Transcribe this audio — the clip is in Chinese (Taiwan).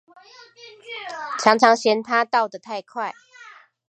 常常嫌牠到得太快